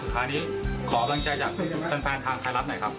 สุดท้านี้ขอบังใจจากแฟนทางไทยรัฐหน่อยครับ